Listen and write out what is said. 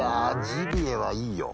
ジビエはいいよ。